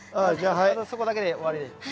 あとそこだけで終わり。